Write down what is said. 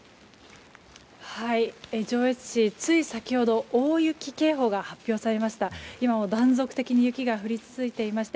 上越市、つい先ほど大雪警報が発表されました。